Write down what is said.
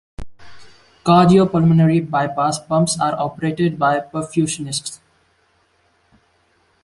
Cardiopulmonary bypass pumps are operated by perfusionists.